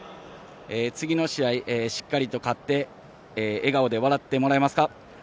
次の試合しっかりと勝って笑顔で笑ってもらえますか？